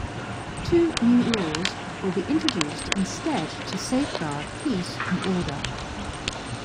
Two new laws will be introduced instead to safeguard peace and order.